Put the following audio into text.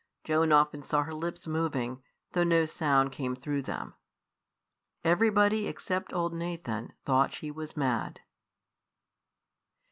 Joan often saw her lips moving, though no sound came through them. Everybody except old Nathan thought she was mad.